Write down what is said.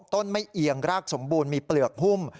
ต้นไม่เอียงรากสมบูรณ์มีเปลือกหุ้ม